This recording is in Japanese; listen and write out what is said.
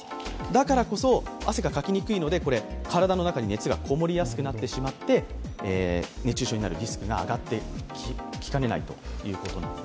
だからこそ汗がかきにくいので体の中に熱がこもりやすくなって熱中症になるリスクが上がりかねないということなんです。